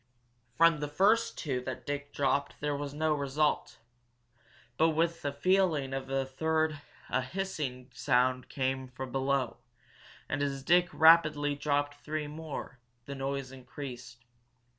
From the first two that Dick dropped there was no result. But with the falling of the third a hissing sound came from below, and as Dick rapidly dropped three more, the noise increased.